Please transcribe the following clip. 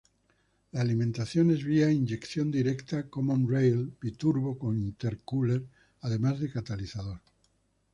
La alimentación es vía inyección directa, common-rail, biturbo con intercooler, además de catalizador.